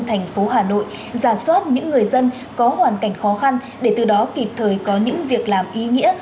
thành phố hà nội giả soát những người dân có hoàn cảnh khó khăn để từ đó kịp thời có những việc làm ý nghĩa